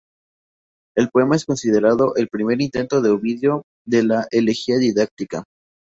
El poema es considerado el primer intento de Ovidio de la elegía didáctica.